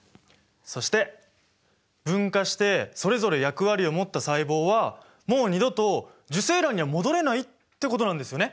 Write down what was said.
そして分化してそれぞれ役割を持った細胞はもう二度と受精卵には戻れないってことなんですよね？